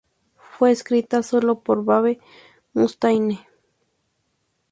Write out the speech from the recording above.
Fue escrita solo por Dave Mustaine.